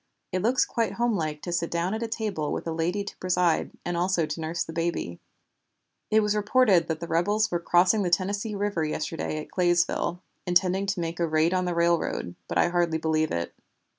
It looks quite homelike to sit down at a table with a lady to preside, and also to nurse the baby. It was reported that the rebels were crossing the Tennessee River yesterday at Claysville, intending to make a raid on the railroad, but I hardly believe it."